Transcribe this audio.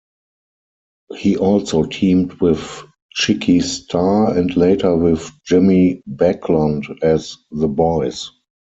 He also teamed with Chicky Starr and later with Jimmy Backlund as "The Boys".